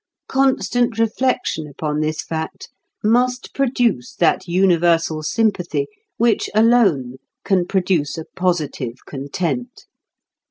Constant reflection upon this fact must produce that universal sympathy which alone can produce a positive content.